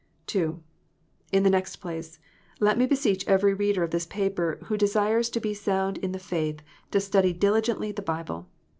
(2) In the next place, let me beseech every reader of this paper who desires to be sound in the faith, to study diligently the Bible.